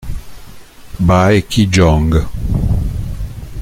Bae Ki-jong